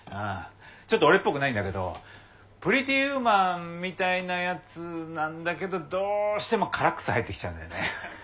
ちょっと俺っぽくないんだけど「プリティ・ウーマン」みたいなやつなんだけどどうしてもカラックス入ってきちゃうんだよね。